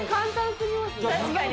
確かに。